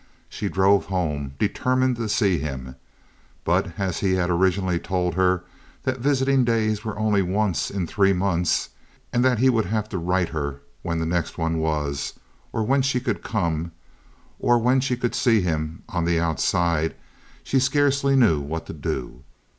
She drove home, determined to see him; but as he had originally told her that visiting days were only once in three months, and that he would have to write her when the next one was, or when she could come, or when he could see her on the outside, she scarcely knew what to do.